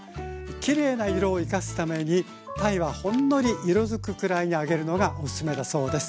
きれいな色を生かすために鯛はほんのり色づくくらいに揚げるのがおすすめだそうです。